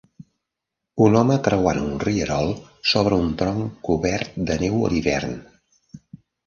Un home creuant un rierol sobre un tronc cobert de neu a l'hivern.